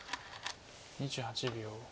２８秒。